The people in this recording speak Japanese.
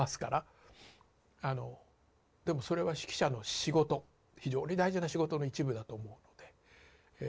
あのでもそれは指揮者の仕事非常に大事な仕事の一部だと思ってえ